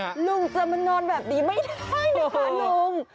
ลุงจำนอนแบบนี้ไม่ได้นะคะลุง